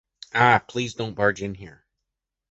Ah! Please, don’t barge in here! ...